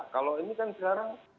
kalau ini kan sekarang